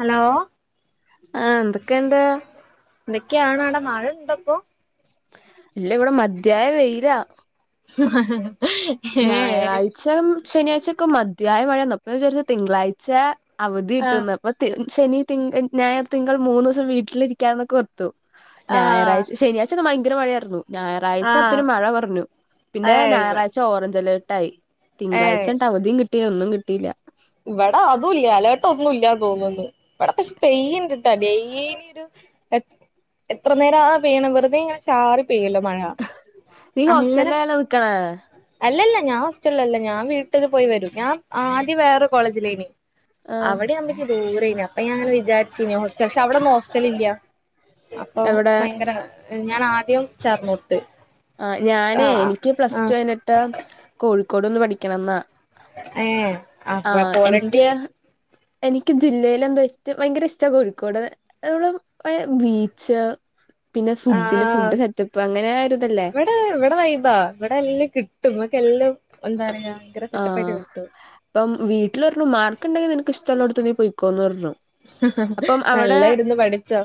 Hello ആഹ് എന്തൊക്കെണ്ട്? എന്തൊക്യാണവടെ മഴണ്ടപ്പോ? ഇല്ല ഇവിടെ മധ്യായ വെയിലാ മ്മ് ആഹ്.. ആഹ് ഞായറാഴ്ചം ശനിയാഴ്ചൊക്കെ മധ്യായമഴെന്നു. അപ്പ ഞാ വിചാര്ച്ചു തിങ്കളാഴ്ച ആഹ് അവധിട്ടുന്ന് അപ്പ തി ശനി തിങ് ഞായർ തിങ്കൾ മൂന്നൂസം വീട്ടിലിരിക്കാന്നൊക്കോർ ത്തു. ആഹ് ഞായറാഴ്ച ശന്യാച്ചൊക്കെ ഭയങ്കര മഴയാർന്നു. ആഹ് ഞായറാഴ്ചത്തരി മഴ കൊറഞ്ഞു. പിന്നെ ഏയ് ഇവ ഞായറാഴ്ച ഓറഞ്ച് അലേർട്ടായി. ഏയ് തിങ്കളാഴ്ചൻട്ട് അവധിം കിട്ടില്ല ഒന്നും കിട്ടീല വ്ടാതുംല്ല അലേർട്ടൊന്നുല്ലാന്ന് തോന്ന്ന്നു. വ്ടെപഷ് പെയ്യിണ്ട്ട്ടാ ഡെയിലിരു- എത് എത്രനേരാ പെയ്യണേ. വെർതെ ഇങ്ങനെ ചാറി പെയ്യ്ണ്ട് മഴ. ഹ് നീ അങ്ങനെ ഹോസ്റ്റലാണോ നിക്കണേ? അല്ലല്ല ഞാൻ ഹോസ്റ്റല്ലല്ല. ഞാൻ വീട്ടല് പോയി വരും. ഞാൻ ആദ്യം വേറൊരു കോളേജിലേനി. ആഹ് അവിടെയാമ്പക്കി ദൂരേന്. അപ്പ ഞാങ്ങനെവിചാരിച്ചിന്. ഹോസ്റ്റൽ പക്ഷ അവ്ടൊന്നും ഹോസ്റ്റലില്ല. അപ്പം എവിടെ ഭയങ്കര ഞാൻ ആദ്യം ചേർന്നോട്ത്ത് ആഹ് ഞാനേ എനിക്ക് പ്ലസ്ടു കഴ്ഞ്ഞിട്ട് കോഴിക്കോട്വന്ന് പഠിക്കണംന്നാ ഏഹ് അപ്പ ആഹ് പോരണ്ടി എനിക്ക് എനിക്ക് ജില്ലേലെന്തൊറ്റു ഭയങ്കര ഇഷ്റ്റ കോഴിക്കോട് [unintelligible] ബീച്ച് പിന്നെ ആ ഫുഡിന് ഫുഡ്. സെറ്റപ്പ് അങ്ങനെരു അതേതെ ഇവടെ വൈബാ. ഇവടെ എല്ലാം കിട്ടും. മ്മക്കെല്ലോം എന്താണ്? ആഹ് പ്പം വീട്ടിലർഞ്ഞു മാർക്ക് ഇണ്ടെങ്കി നിനക്ക് ഇഷ്ടള്ളോട്ത്ത് നീ പൊയിക്കോന്ന് പറഞ്ഞു അപ്പം അവടേ നല്ല ഇരുന്ന് പഠിച്ചോ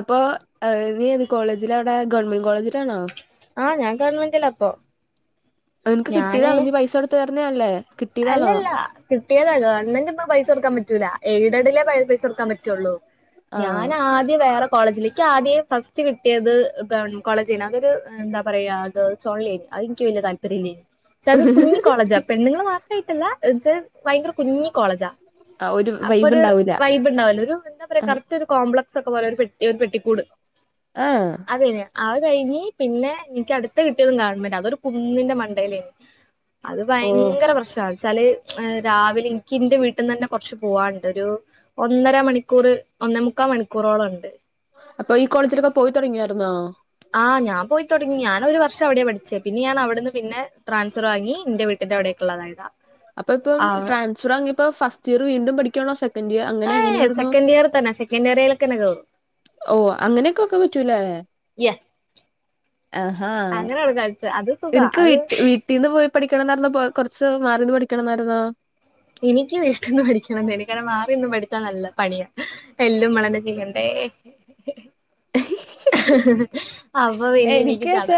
അപ് പൊ നീയേത് കോളേജിലാവടെ ഗവൺമെന്റ് കോളേജിലാണോ ആഹ് ഞാൻ ഗവൺമെന്റില ഇപ്പൊ ഇൻക്ക്‌ ഞാന് കിട്ടീതാണോ നീ പൈസോടുത്ത് ചേർന്നയല്ലേ കിട്ടീതാണോ? അല്ലല്ല കിട്ടിയതാ ഗവൺമെന്റിപ്പൊ പൈസൊട്ക്കാൻ പറ്റൂല എയ്ഡഡിലേ പൈ പൈസൊടുക്കാൻ പറ്റൊള്ളൂ ആഹ് ഞാനാദ്യം വേറെ കോളേജില് ക്ക്യാദ്യേ ഫസ്റ്റ്കിട്ടിയത് ഗവൺമെൻ കോളേജിന‌ അതൊര് എന്താപറയാ ഗേൾസൊൺലിയാ അതിൻക്ക് വല്യതാൽ പര്യില്ലെനി ചത് കുഞ്ഞി കോളേജാ പെണ്ണ്ങ്ങള്മാത്രായിട്ടല്ല [unintelligible] ഭയങ്കര കുഞ്ഞി കോളേജാ ആ ഒരു അപ്പൊ വൈബ് ഒരു ഉണ്ടാവൂല വൈബ്ണ്ടാവില്ല ഒരു എന്താപറയാ ആ കറ റ്റൊര് കോംപ്ലക്സക്കെപൊലൊരു പെട്ടി ഒരു പെട്ടിക്കൂട് ആഹ് അതന്നെ അത് കഴിഞ്ഞ് പിന്നെ എനിക്കടത്ത് കിട്ടിയതും ഗവൺമെന്റാ അതൊരു കുന്നിന്റെ മണ്ടേലേന്ന് അത് ഓ ഭയങ്കര പ്രശ്നാ ച്ചാല് ഏഹ് രാവിലെ ഇൻക്കി ഇന്റെ വീട്ട്ന്നന്നെ കൊറച്ച് പോവാനിണ്ട് ഒരു ഒന്നര മണിക്കൂറ് ഒന്നേ മുക്കാ മണിക്കൂറോളം എണ്ട് അപ്പൊ ഈ കോളേജിലൊക്കെ പോയി തൊടങ്ങിയാരുന്നോ ആഹ് ഞാൻ പോയ് തുടങ്ങി ഞാനൊരു വർഷം അവിടേ പഠിച്ചേ പിന്നെ ഞാൻ അവിടുന്ന് പിന്നെ ട്രാസ്ഫറ് വാങ്ങി ഇന്റെ വീ ട്ടിന്റവിടേക്കിള്ളതായതാ അപ്പ ഇപ്പം ട്രാൻഫറ് വാങ്ങിപ്പ ഫസ്റ്റിയർ വീണ്ടും പഠിക്കാണോ സെക്കന്റിയ അങ്ങനെ എങ്ങനെയാര്ന്നു നിയറിത്തന്നെ സെ ക്കന്റിയർലേക്ക് തന്നെ കേറും ഓഹ് അങ്ങനേക്കൊക്കെ പറ്റുല്ലേ അഹാ അങ്ങനെയാ അവള് കഴിച്ചെ അത് സുഖാ നിനിക്ക് അത് വീട്ടി വീട്ടീന്ന് പോയി പഠിക്കണം എന്നായിരുന്നോ പൊ കൊറച്ച് മാറിന്ന് പഠിക്കണന്നായിരുന്നോ എനിക്ക് വീട്ടീന്ന് പഠിക്കണംന്നാണ് കാരണം മാറിനിന്ന് പഠിച്ചാ നല്ല പണിയ എല്ലും ഉമ്മളന്നെ ചെയ്യണ്ടേ [inaudible] അവ പിന്നെ എനിക്ക് ചട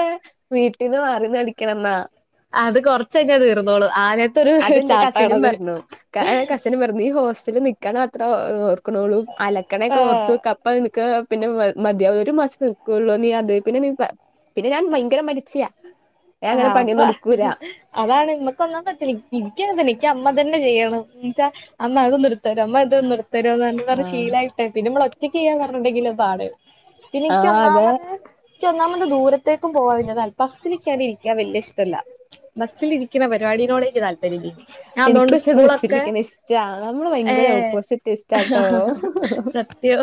വീട്ടീന്ന് മാറിന്ന് പഠിക്കണംന്നാ അത് കൊറച്ചയ്ന്നാ തീർന്നോളും ആദ്യ അതെന്റെ കസിനും പറഞ്ഞു ക കസിനും പറഞ്ഞു ഈ ഹോസ്റ്റലി നി ക്കണ അത്ര ഓർക്കണോള്ളു അലക്കണെക്കെ ഓർത്ത് ആഹ് നോക്ക് അ അപ്പൊ നിക്ക് പിന്നെ മ മതിയാ ഒരു മാസം നിക്കൊള്ളൂ നീ അത് കഴിഞ്ഞ പിന്നെ നീ പിന്നെ ഞാൻ ഭയങ്കര മടിച്ചിയാ ഞാൻ ആഹ് അങ്ങനെ അപ്പൊ പണിയൊന്നും എടുക്കൂലാ അതാണ് നമ്മക്കൊന്നാമത് പറ്റൂല എൻ എൻക്കി അതല്ല എൻക്ക്‌ അമ്മ തന്നെ ചെയ്യണം എന്ന്ച്ചാ അമ്മ അതൊന്നെടുത്തെരൊ അമ്മ ഇതൊന്നു എടു ഉത്തരവ് പറഞ്ഞ് ആ പറഞ്ഞ് ശീലായിട്ടേ പിന്നെ ഇമ്മള് ഒറ്റക്ക് ചെയ്യാൻ പറഞ്ഞിണ്ടെങ്കില് പാട് ആ പിന്നെനിക്ക് അതെ ഒന്നാമത് എനിക്കൊന്നാമത് ദൂരത്തേക്കും പോവാൻ വല്ല്യ താൽ ബസ്സിലിക്കാതെ ഇരി ക്കാൻ വല്ല്യ ഇഷ്ടല്ല ബസിലിരിക്കുന്ന പരിപാടിനോട് എനിക്ക് താല്പര്യം ഇല്ല ഞാൻ എനിക്ക് അതുകൊണ്ട് പക്ഷെ സ്കൂളൊക്കെ ബസ്സിലിരിക്കണ [unintelligible] നമ്മള് ഭയങ്കര ഏഹ് ഓപ്പോസിറ്റിസ്റ്റാട്ടോ യോ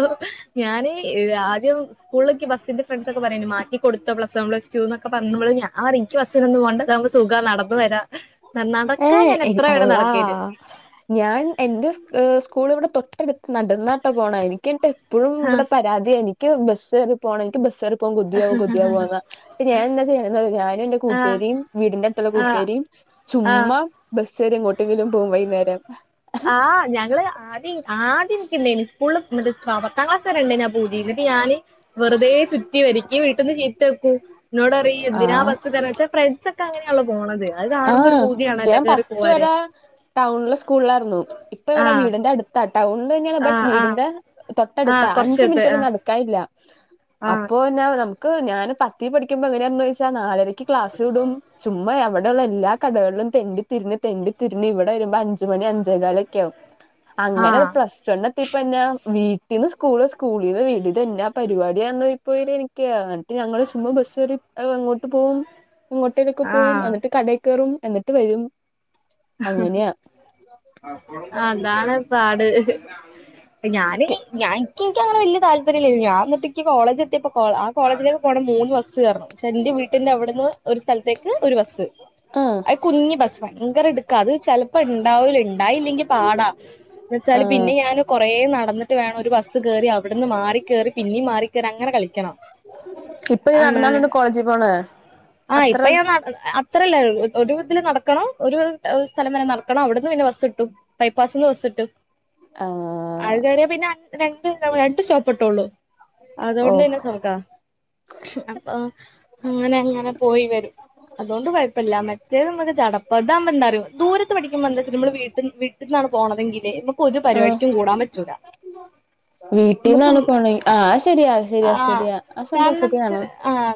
ഞാന് ആദ്യം സ്കൂളിലൊക്കെ ബസ്സിന്റെ ഫ്രണ്ട് ഒക്കെ പറയണ്ട് മാറ്റി കൊടുത്ത പ്ലസ് വൺ പ്ലസ് ടുന്നൊക്കെ പറഞ്ഞപ്പള് ഞാൻ പറഞ്ഞ് എനിക്ക് ബസ്സിനൊന്നും പോണ്ട ഇതാവുമ്പോ സുഖാ നടന്നു വരാ ഞാൻ ഏ നടക്കാൻ ഞാൻ എനി എത്ര വേണേ അള്ളാ നടക്കേത് ഞാൻ എന്റെ ഏഹ് സ്കൂള് ഇവിടെ തൊട്ടടുത്ത് നടന്നാട്ടാ പോണേ എനി ക്കട്ടെപ്പഴും ഇവിടെ ആഹ് പരാതിയാ എനിക്ക് ബസ്കേറി പോണം എനിക്ക് ബസ്കേറി പോം കൊതിയാവും കൊതിയാവാന്നാ അപ്പം ഞാൻ എന്നാ ചെയ്യണേന്നറിയോ ഞാനും എന്റെ ആഹ് കൂട്ടുകാരിയും വീടിന്റെ അടു ടുത്തുള്ള ആഹ് കൂട്ടുകാരിയും ആഹ് ചുമ്മാ ബസ് കേറി എങ്ങോട്ടെങ്കിലും പോകും വൈന്നേരം ആഹ് ഞങ്ങള് ആദ്യം ആദ്യം എനിക്കെണ്ടേനി സ്കൂള് ള് മിട്ക്ക് ആഹ് പത്താം ക്ലാസ് കഴിഞ്ഞ [unintelligible] ഞാ പൂതി. ഇന്നട്ട് ഞാന്. വെറുതെ ചുറ്റി വര്ക്ക് വീട്ട്ന്ന് ചീറ്റക്കു. ഇന്നോടറി എന്തിനാ ആഹ് ബസ്ക്ക വെച്ചാ ഫ്രണ്ട് [unintelligible] ഇക്ക അങ്ങനെയാണല്ലോ പോണത്. അത് കാണുമ്പോ ഒരു ആഹ് പൂതിയാണല്ലൊ കേറി പോവാന്. ടൗണില് സ്കൂളിലായിരുന്നു. ഇപ്പ ഇവടെ ആഹ് വീടിന്റെ അടുത്ത ടൗണിലെന്യാണ് ബട്ട്‌ ആഹ് ആഹ് വീടിന്റെ തൊട്ടടുത്ത ആഹ് അഞ്ച് കൊറച്ചെടുത്ത് മിനിറ്റ് നട ഇക്ക ഇല്ല. ആഹ് അപ്പൊ ഞാൻ നമുക്ക് ഞാന് പത്തി പഠിക്കുമ്പോ എങ്ങനെയാണന്ന് വെച്ചാ നാലര ക്ലാസ് വിടും ചുമ എവടെ [unintelligible] ഇവിടെയുള്ള എല്ലാ കടകളിലും തെണ്ടി തിരിഞ്ഞ്തെണ്ടി തിരിഞ്ഞ് ഇവിടെ വരുമ്പോ അഞ്ചു മണി അഞ്ചേകാലൊ ക്ക്യാവും. ആഹ് അങ്ങനെ ആഹ് പ്ലസ്ൺ എത്ത്യേപ്പന്നെ വീട്ടിന്ന് സ്കൂള് സ്കൂളീന്ന് വീട് ഇതെന്നാ പരിപാടിയാന്നോയിപ്പോയില് എനിക്ക് എന്നിട്ട് ഞങ്ങൾ ചുമ്മാ ബസ്കേറി അങ്ങോട്ട് പോകും എങ്ങോട്ടേലൊക്കെ പോവും. ആഹ് എന്നിട്ട് കട കേറും. എന്നിട്ട് വരും അങ്ങനെയാ അഹ് അതാണ് പാട് ഞാന് ഞാൻ ഇൻക്കങ്ങനെ വല്യ താല്പര്യംല്ല ഞാൻ എന്നിട്ടക്ക് കോളേജ് എത്തിയപ്പോ ആ കോളേജിലേക്ക് പോണ മൂന്ന് ബസ് ബസ് കേറണം എന്റെ വീട്ടിന്റെ അവിടെന്ന് ഒരു സ്ഥലത്തേക്ക് ഒരു ബസ്സ് ആഹ് കുഞ്ഞി ബസ്സ. ഭയങ്കര എടുക്ക അത് ചെലപ്പോ ഇണ്ടാവൂല ഇണ്ടായില്ലെങ്കി പാടാ എന്ന് വെച്ചാല് ആഹ് പിന്നെ ഞാന് കൊറേ നടന്നിട്ട് വേണം ഒരു ബസ് കേറി അവിടുന്ന് മാറി കേറി പിന്നിം മാറി അങ്ങെന കളിക്കണം ഇപ്പൊ ആ നടന്നാണ്ട് കോളേജി പോണെ ആഹ് ഇപ്പൊ ഞാൻ അത്രല്ല ഒരു ഇതില് നടക്കണോ ഒരു [unintelligible] ഒരു സ്ഥലം വരെ നടക്കണം. അവിട്ന്ന് പിന്നെ ബസ് ഇട്ടും. ബൈപ്പാസിന്ന് ബസ് ഇട്ടും. അത് ആഹ് കേറ്യ പിന്നെ രണ്ട് രണ്ട് സ്റ്റോപ്പ് ട്ടൊള്ളൂ. ഓ അതോണ്ടന്നെ സൗതാ അപ്പം. അങ്ങനെ അങ്ങനെ പോയി വെരും. അതോണ്ട് കൊഴപ്പല്ല മറ്റേ നമുക്ക് ചടപ്പറതാകുമ്പോ എന്ത ദൂരത്ത് പഠിക്കുമ്പോ എന്ത ന വീട്ട നിന്നാണ് പോണതെങ്കില് ഒരു പരിപാടിക്കും കൂടാൻ പറ്റൂല നമുക്ക് വീട്ടിന്നാണ് പോണെ. ആഹ് ശരിയാ ശരിയാ ശരിയാ ആ സംഭവം ശെരിയാണ്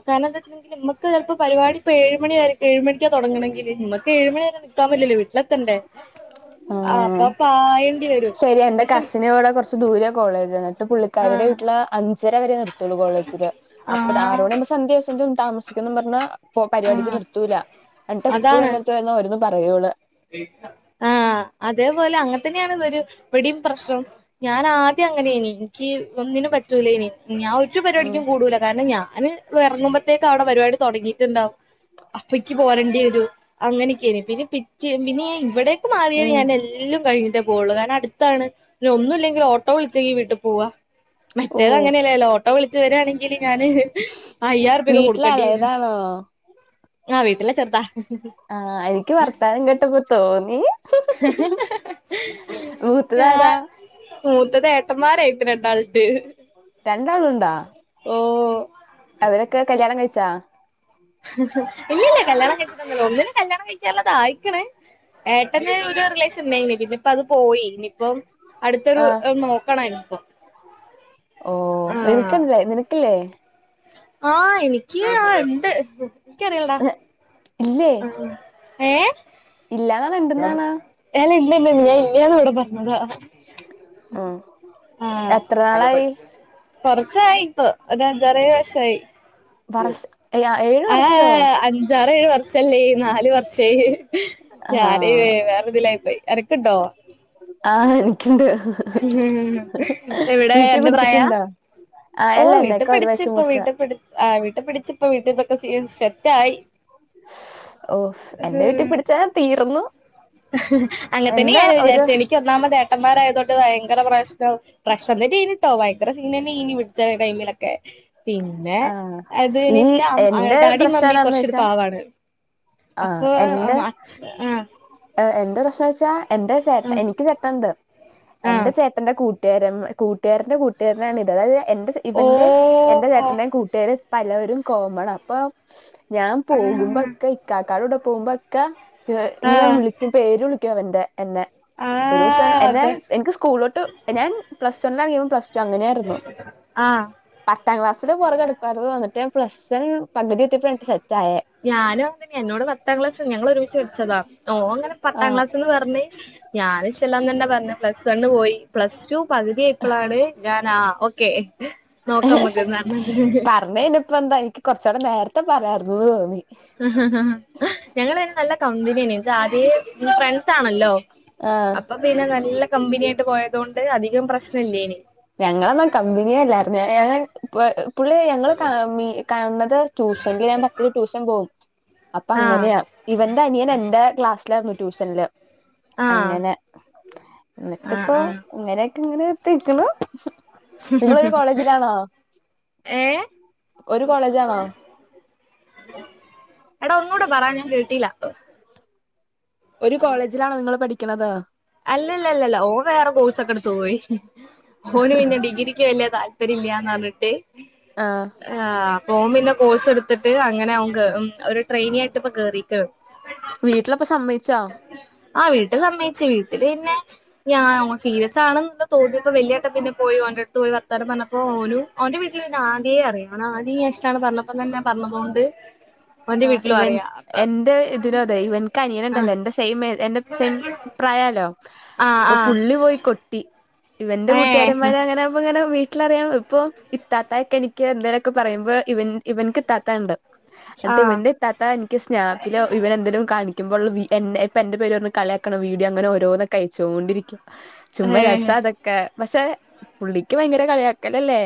കാര്ണം എന്താ വെച്ചട്ട [unintelligible] ണ്ടെങ്കിൽ നമ്മക്ക് ചെല്പ്പോ പരിപാടി ഇപ്പൊ ഏഴ് മണിവരെക്ക്‌ ഏഴ് മണിക്ക് തൊടങ്ങണങ്കില് നമുക്ക് ഏഴ് മണി വരെ ക്കാമ് ലല്ലൊ വിട്ട് എല്ലൊക്കെണ്ട് ഉം വരും ശെരി എന്റെ പക്ഷെ കസി നവിടെ കൊറ പച്ച് ദൂരെ കോളേജന്ന ആ പുള്ളിക്കാരുടെ വീട്ടില് അഞ്ചര വരെ നിർത്തുള്ളൂ കോളേജില് ആ അപ്പ ആറോണുമ്പോ സന്ധ്യാഷ്യാ. ന്തു ന്തും താമസിക്കുന്നന്ന് പറ്ഞ്ഞ ആ പരിപാടിക്ക് നിർത്തൂല്ല. അക്ക് എപ്പളും അതാണ് എന്റെ അടുത്ത [unintelligible] യി അവരും പറയുള്ളൂ ആഹ് അതേപോലെ അങ്ങനെ തന്നെയാണ് ഇതൊരു എവിടിം പ്രശ്നവും ഞാൻ ആദ്യം അങ്ങനെനി. ഇൻക്ക് ഒന്നിനും. പറ്റൂലേനി ഞാൻ റ്റും ഉം പരിപാടിക്കും കൂടുല. കാര്ണം ഞാന് എറങ്ങുമ്പോത്തേക്കും അവിടെ പരിപാടി തൊടങ്ങിട്ട് ഇണ്ടാവും. അപ്പയ്ക്ക് പോരേണ്ട്യേരും അങ്ങനെയൊക്കെനി. പിന്നെ പിറ്റേ പിന്നെ ഇവിടെക്കെ മാറിയ ഉം ഞാൻ എല്ലും കഴിഞ്ഞിട്ടേ പോവുള്ളു. കാരണം അടുത്താണ് പിന്നെ ഒന്നും ഇല്ലെങ്കിൽ ഓട്ടോ വിളിച്ചെങ്കിൽ വീട്ടിൽ പോവാ ഓ മറ്റേത് അങ്ങനെയല്ലേല്ലോ ഓട്ടോ വിളിച്ച് വരായാണെങ്കില് ഞാന് അയ്യായിംുപൊക്കെ കൊടുക്കേണ്ടി നു ആഹ് ആഹ് വീട്ടിലെ ചെറുതാ ആഹ് എനിക്ക് താനം കെട്ടപ്പോ തോന്നി ഞാൻ മുത്തദാരാം മൂത്തത് ഏട്ടന്മാരായിത് രണ്ടാൾ രണ്ടാളു ഇണ്ടൊ ഓഹ് അവരൊക്കെ കല്യാണം കഴിച്ചാ ഇല്ലല്ല കല്യാണം കഴിച്ച്ട്ടൊന്നുല്ല. ഒന്നിന് കല്യാണം കഴിക്കാനുള്ളത് ആയിക്ക്ണ ഏട്ട ന്‌ റിലേഷൻന്നായി [unintelligible] പിന്നെ. ഇപ്പ അത് പോയി ഇനിയിപ്പം അടുത്തൊരു ആ നോക്കണ ഇനി ഇപ്പം. ഓ എനിക്ക്ണ്ട് നിനക്കില്ലേ ആഹ് എനിക്ക് ആഹ് ഇണ്ട് എനിക്കറില ഇല്ലേ ഏഹ് ഇല്ലാന്നാണോ ഉണ്ട്ന്നാണോ ഇയാള് ഇല്ലന്ന് ഇങ്ങള് ഇല്യാന്ന് ഇവടെ പർണതാ ഉം എത്ര ആഹ് നാളായി കൊറച്ചായിപ്പൊ ഒരഞ്ചാറേഴ് വർഷായി വറസ് ആഹ് അഞ്ചാറേഴ് വർ ഷല്ലേയ് നാല് വർഷേയ് ഞാനൈ വെ ആഹ് വേറൊരിതിലായിപ്പോയി അനക്ക്ണ്ടോ ആഹ് ഇൻക്കിണ്ട് ഇഹ് ഹ് ഹ് എവിടെ എന്റെ പ്രായാ പിടിച്ചിട്ടുണ്ടോ ആഹ് ഓ അല്ല എന്നേക്കാ ഒരു വയസ്സ് വീട്ട്പ്ടിച്ച്പ്പാെ മൂത്തതാ വീട്ട്പ്ട് ആഹ് വീട്ട്പ്ടിച്ച്പ്പൊ വീട്ടിൽതൊക്കെച്യ്യ്ണ്ട് സെറ്റായി ഓ എന്റെ വീട്ടിപിടിച്ചാ തീർന്നു ഇഹ് ഹ്അങ്ങൻതെന്നെ എന്താ ഞാനും ഒരു വിജാരിച്ച് എനിക്ക് ഒന്നാമത് ഏട്ടന്മാരായതൊ ണ്ട് ഇത് ഭയങ്കര പ്രശ്നാവും പ്രഷ്ണം തെന്നെയേണ് ട്ടോ ഭയങ്കര സീനെന്നൈന് വിട്ച്ച ടൈമിലെക്കെ പിന്നെ ആഹ് അത് ന് ഈ ഇന്റെ അം ഏഹ് എന്റെ ഡാഡിം പ്രശ്നം മമ്മിം എന്താന്ന് കൊറച്ചൊരു വെച്ചാ പാവാണ് ആഹ് ഉം അമഅച് ഉം ഏഹ് എന്റെ പ്രശ്നം വെച്ചാ എന്റെ ചേട്ട് ആഹ് എനിക്ക് ചേട്ടെണ്ട് എന്റെ ആഹ് ചേട്ടന്റെ കൂട്ടുകാരൻ കൂട്ട്കാരന്റെ കൂട്ട്കാരനാണ് ഇത് അതായത് എന്റെ ഓ ഇവന്റേം എന്റെ ചേട്ട് അതായത് പലരും കോമണാ അപ്പൊ ഞാൻ ആ പോകുമ്പൊക്കെ ഇക്കാകാടെകൂടെ പോവുമ്പൊക്കെ ഇവൻ ആ ഇങ്ങനെ വിളിക്കും പേര് വിളിക്കും അവന്റെ എന്നെ ആ ഒരൂസം എന്നെ അത് എനിക്ക് സ്കൂളിലോട്ട് ഞാൻ പ്ലസ് വണ്ണാണെങ്കി ഇവന്‍ പ്ലസ് ചങ്ങനേർന്നു ആഹ് പത്താം ക്ലാസ് ചെല വെറക് എട്ക്കാത്തത് വന്ന്ട്ടേ പ്ലസ്സറ് കണ്ണ് കേറ്റിയപ്പേണ് എനിക്ക് സെറ്റായേ ഞാനും അങ്ങനെതന്നെ എന്നോട് പത്താം ക്ലാസ് ഞങ്ങള് ഒരുമിച്ച് പഠിച്ചതാ ഓ അങ്ങനെ ആ പത്താം ക്ലാസ്ന്ന് പർണ് ഞാനും ഇഷ്ടല്ലാനെല്ല പർണ് പ്ലസ് വണ്ണ് പോയി പ്ലസ് ടു പക് തി ആയിപ്പളാണ് ഞാനാ ആഹ് ഒ കെ നോക്കഅമ്മക്ക്ന്ന ഇപ്പന്താ എനിക്ക് കാെറച്ചൊടെ നേരത്തെ പറയാര്ന്നൂന്ന് തോന്നി ഇഹ്ഹ്ഹ് ഞങ്ങള് ഐന് നല്ല കമ്പിനേന് ഇജ് ആദ്യേ ഇങ്ങള് ഫ്രണ്ട്സാണല്ലോ ആ അപ്പൊ പിന്നെ നല്ല കമ്പ്നി ആയിട്ട് പോയതോണ്ട് അധികം പ്രശ്നം ഇല്ലേയിന് ഞങ്ങളെന്നും കമ്പ്നിയെ അല്ലാര്ന്നേ ഏഹ് പുവേ പുള്ളി ഞങ്ങള് കാ മീ കാൺണത് ട്യൂഷനല് ഞാൻ പത്ത് രൂ ട്യൂഷൻ പോകും അപ്പ ആഹ് അങ്ങനെയാ ഇവന്റെ അനിയൻ എന്റെ ക്ലാസ്സ്ലായിരുന്നു ട്യൂഷൻല് ആഹ് അങ്ങനെ ആഹ് ഇന്നിട്ട്പ്പോ ആഹ് ഇങ്ങനേര്ക്ക് ഇങ്ങനെ എത്തി നില്‍ക്ക്ണ് ഉം നിങ്ങളൊരു കോളേജിലാണോ ഏഹ് ഒരു കോളേജ് ആണോ എടാ ഒന്നൂടെ പറ ഞാൻ കേട്ടീല ഒര് കോളേജിലാണോ നിങ്ങള് പഠിക്ക്ണത് അല്ലല്ലല്ലല്ലല്ല ഓൻ വേറെ കോഴ്സ് ഒക്കെട്ത്ത്പോയി ഓന് പിന്നെ ഡിഗ്രിക്ക് വെല്യ താല്‍ പര്യഇല്യാന്നർണ് ട്ട് ആഹ് ആഹ് അപ്പാെ ഓം വെല്യ കോഴ്സ് ഇട്ത്ത്ട്ട് അങ്ങനെ അവൻ ഗ് ഉം ഒര് ട്രെെനി ആയിട്ട് ഇപ്പ കേറീക്കാണ് വീട്ട്ലപ്പാെ സമ്മൈച്ചാേ ആഹ് വീട്ടിൽ സമ്മൈച്ച് വീട്ടില് പിന്നെ ഞാ ഓൻ സീരിയസ്സാണെന്ന് തോന്നിയപ്പൊ വെല്യക്ക പിന്നെ പോയി ഓന്റട്ത്ത് പോയി വർത്താനം പർണപ്പൊ ഓനും അവന്റെ വീട്ടില് പിന്നെ ആദ്യേ അറിയാ അവന് ആദ്യേ ഇഷ്ടാണ് പർണപ്പം തന്നെ പർണതുകൊണ്ട് ആ ഇവൻ എന്റെ ഇതിലും അതെ ഇവൻ ഇവൻക്ക്‌ അനിയൻ ഉണ്ടല്ലോ ആഹ് എന്റെ സെയിം എന്റെ സെം പ്രായല്ലോ ആഹ് അപ്പൊ പുള്ളി ആഹ് പോയി കൊ ട്ടി ഇവന്റെ ഏഹ് കട്ടുകാരന്മാര് അങ്ങനെപ്പ ഇങ്ങനെ വീട്ടില്‍ അറിയാം ഇപ്പൊ ഇത്താത്ത ഒക്കെ എനിക്ക് എന്തേലുമൊക്കെ പറയുമ്പോ ഇവൻ ഇവൻക്ക് ഇത്താത്തയുണ്ട് എന്നിട്ട് ആഹ് ഇവന്റെ ഇത്താത്ത ഇത്ത എനിക്ക് സ്നാപ്പില് ഇവൻ എന്തെലും കാണിക്കുമ്പോൾ ഉള്ള വി ഇപ്പോ എന്റെ പേര് പറഞ്ഞ് കളിയാക്കണ വീഡിയോ അങ്ങനെ ഓരോന്ന് ക്കയച്ചോണ്ടിരിക്കും ചുമ്മാ രസ ഏഹ് അതൊക്കെ പക്ഷെ പുള്ളിക്ക് ഭയങ്കര കളിയാക്കലല്ലേ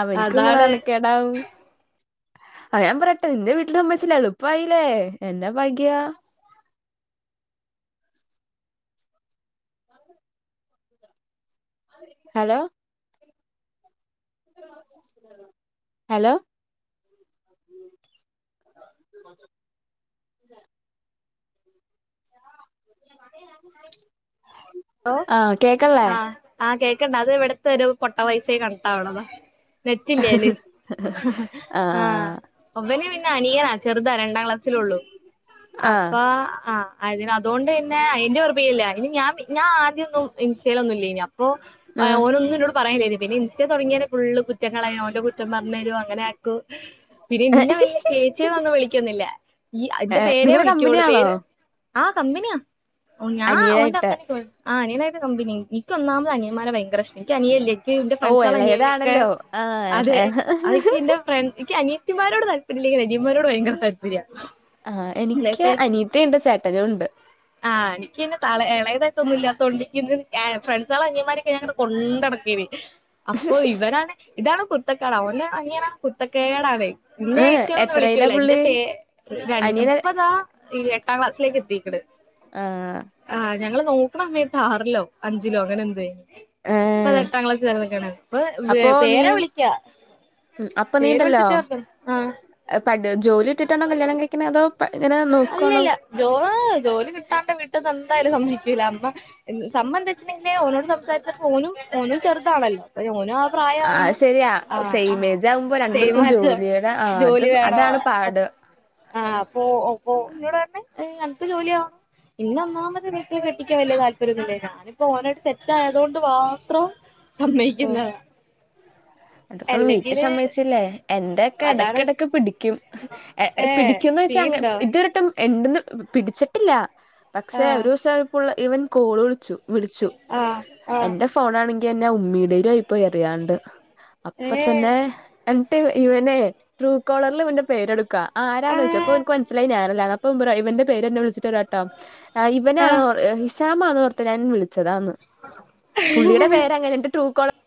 അവനിക്കുംപ്പ അതാണ് നാണക്കേടാവും അ ഞാൻ പറയട്ടെ നിന്റെ [unintelligible] എന്നാ ഭാഗ്യ ഹലോ ഹലോ [inaudible] ഹലോ ആ കേക്കണില്ലേ ആഹ് ആഹ് കേക്കണ്ട അത് ഇവിടത്തെ ഒരു പൊട്ട വൈഫൈ കണക്ട് ആവണതാ നെറ്റ് ഇല്ല അല്ലെ ആ ആഹ് അവന് പിന്നെ അനിയാ ചെറുതാ രണ്ടാം ക്ലാസ്സിലള്ളൂ ആ അപ്പ ആഹ് അതിന് അതുകൊണ്ട് തന്നെ അതിന്റെ [unintelligible] ഇല്ല അയിന് ഞാൻ പിന്നെ ആദ്യം ഒന്നും ഇൻസ്റ്റെലൊന്നുമില്ലയിന അപ്പോ ആ ഓന് ഒന്നും എന്നോട് പറയാൻ ഇല്ലായിരുന്നു പിന്നെ ഇൻസ്റ്റ തുടങ്ങിയന്നെ ഫുള്ള് കുറ്റങ്ങളായി അവന്റെ കുറ്റം പറഞ്ഞ് തരും അങ്ങനെ പിന്നെ ഇന്നെ വല്യ ചേച്ചിയെന്നൊന്നും വിളിക്കുന്നില്ല ഈ ഏ അതിന്റെ പേരെ നിങ്ങള് വിളിക്കോള്ളൂ കമ്പനിയാണോ പേര് ആഹ് കമ്പിനിയാ ഞാ ഓന്റെ അനിയനായിട്ട് അമ്മനെ ആഹ് അനിയനായിട്ട് കമ്പനി എനിക്ക് ഒന്നാമത് അനിയന്മാരെ ഭയങ്കര ഇഷ്ടം എനിക്കനിയനില്ലേ ന്റെ ഓ ഫ്രണ്ട്സ്കള അനിയനെക്കെ ഇളയതാണല്ലോ ആ അതെ അതക്കെ എന്റ എനിക്ക് അനിയത്തിമാരോട് താല്പര്യം ഇല്ലെ അയന്മാരോട് ഭയങ്കര തല്പര്യ ആഹ് എനിക്ക് അനിയത്തിയുണ്ട് ചേട്ടനും ഉണ്ട് ആ എനിക്ക് പിന്നെ തല ഇളയതായിട്ടൊന്നും ഇല്ലാത്തോണ്ട് ഫ്രണ്ട്സോളെ അനിയൻമാരൊക്കെ ഞങ്ങള് കൊണ്ട്നടക്കേനി അപ്പൊ ഇവനാണ് ഇതാണ് കുരത്തക്കേട് അവന അനിയന കുരത്തക്കേടാണെ എന്നെ ഏ എയിച്ചി എന്ന് ഒന്നും എത്രയിലാ വിളിക്കൂല എന്റെ പുള്ളി പേര് രണ് അനിയന ഇപ്പതാ ഈ എട്ടാം ക്ലാസിലേക്ക് എത്തിക്കണ് ആഹ് ആഹ് ഞങ്ങള് നോക്കണ സമേത്ത് ആറിലോ അഞ്ചിലോ അങ്ങനെ എന്തെ ഏ ഇപ്പതെട്ടാം ക്ലാസിലാണ് അപ്പൊ [unintelligible] നീ പേരാ വിളിക്ക ഉം അപ്പൊ നീണ്ടല്ലോ ആഹ് ജോലി ഇട്ടിട്ടാണ്ടോ കല്യാണം കഴി ഇങ്ങനെ അതോ ഇങ്ങനെ നോക്കുവാണോ അല്ലല്ല ജോ ജോലി കിട്ടാണ്ട് വീട്ടന്ന് എന്തായാലും സമ്മയിക്കൂല അമ്മ സംഭം എന്ത വെച്ചലുണ്ടെങ്കില് ഓനോട് സംസാരിച്ചപ്പോ ഓനുംഓനും ചെറുതാണല്ലോ ഓന് ആ പ്രായാവണം ശരിയാ ആഹ് ആഹ് സെയിമേജ് ആകുമ്പോ രണ്ടർക്കും ജോലിയുടെ ആ [unintelligible] അത് ജോലി വേണോ അതാണ് പാട് ആഹ് അപ്പൊ അപ്പൊ [unintelligible] അനക്ക് ജോലിയാവണം ഇന്ന് ഒന്നാമത് വീട്ടിൽ കെട്ടിക്കാൻ വലിയ താല്പര്യമൊന്നുമില്ലെനൊ ഇപ്പോ ഓനായിട്ട് സെറ്റ് ആയത് കൊണ്ട് മാത്രം ഓ [unintelligible] അതൊക്കെ വീട്ടി അല്ലെങ്കില് സമ്മതിച്ചില്ലേ എന്റെയൊക്കെ ഇടക്ക് അതാണ് ഇടക്ക് പിടിക്കും ഏഹ് പിടിക്കുംന്ന് വെച്ചാ അ സീൻണ്ടോ ഇതുവരെട്ടും എന്റത് പിടിച്ചിട്ടില്ല പക്ഷെ ആഹ് ഒരു ദിവസം ആയപ്പോൾ ഇവൻ കോള് വിളിച്ചു വിളിച്ചു ആഹ് ആഹ് എന്റെ ഫോൺ ആണെങ്കി എന്റെ ഉമ്മീടെയിലായിപ്പോയി അറിയാണ്ട് അപ്പൊ ഏഹ് തന്നെ എന്നിട്ട് ഇവനെ ട്രൂ കോളറിൽ ഇവന്റെ പേരെടുക്കാ ആരാന്ന് വെച്ചു അപ്പൊ ആഹ് എനിക്ക് മനസായി ഞാനല്ലാന്ന് അപ്പ ഇവൻ പറയ ഇവന്റ പേര് എന്നെ വിളിച്ചിട്ട് പറയട്ടോ ആഹ് ഇവനാ ഹിഷാമ ആന്നോർത്ത ഞാൻ വിളിച്ചതാന്ന് പുള്ളിയുടെ പേരങ്ങനെട്ട് കൊഴ